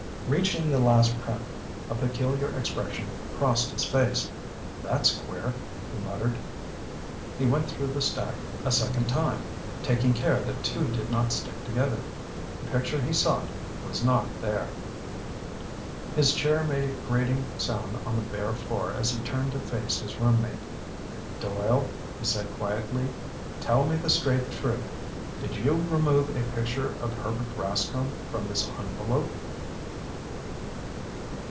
Reaching the last print, a peculiar expression crossed his face. "That's queer," he muttered. He went through the stack a second time, taking care that two did not stick together. The picture he sought was not there. His chair made a grating sound on the bare floor as he turned to face his roommate. "Doyle," he said quietly, "tell me the straight truth. Did you remove a picture of Herbert Rascomb from this envelope?"